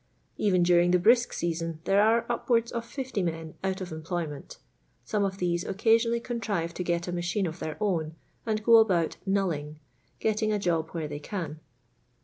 Eren during the brisk season there are upwards of 60 men out of employment ; some of these occasionally contrive to g«t a machine of their own, and go about " knulling,"— getting a job where they can.